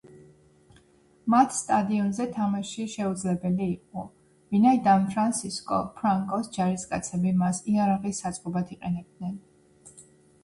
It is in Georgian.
მათ სტადიონზე თამაში შეუძლებელი იყო, ვინაიდან ფრანსისკო ფრანკოს ჯარისკაცები მას იარაღის საწყობად იყენებდნენ.